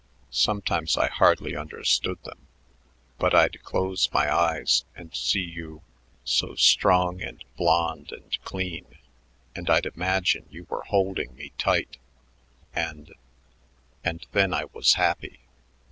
Sometimes I hardly understood them, but I'd close my eyes and see you so strong and blond and clean, and I'd imagine you were holding me tight and and then I was happy.